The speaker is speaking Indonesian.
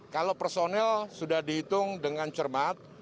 kalau personel sudah dihitung dengan cermat